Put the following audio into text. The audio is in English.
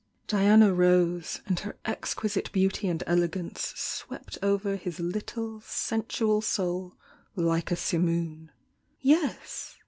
Diana rose, and her exquisite beauty and elegance swept over his little sensual soul like a simoon. "Yes!"